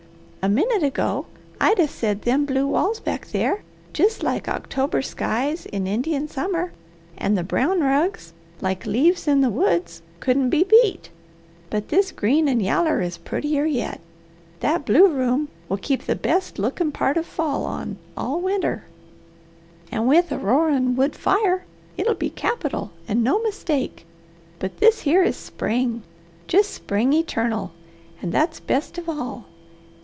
"A minute ago, I'd 'a' said them blue walls back there, jest like October skies in Indian summer, and the brown rugs, like leaves in the woods, couldn't be beat; but this green and yaller is purtier yet. That blue room will keep the best lookin' part of fall on all winter, and with a roarin' wood fire, it'll be capital, and no mistake; but this here is spring, jest spring eternal, an' that's best of all.